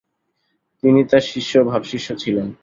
তিনি তার শিষ্য ও ভাবশিষ্য ছিলেন।